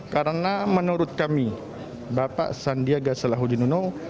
karena menurut kami bapak sandiaga salahuddin uno